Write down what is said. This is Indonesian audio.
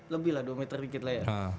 lebih lah dua meter dikit lah ya